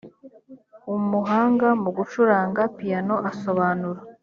umuhanga mu gucuranga piyano asobanura